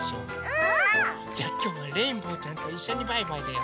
うん！じゃきょうはレインボーちゃんといっしょにバイバイだよ。